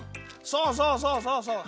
そうそうそうそうそう！